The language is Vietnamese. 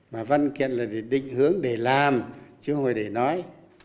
mà văn kiện là để định hướng để làm chứ không phải để nói